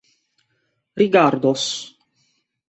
rigardos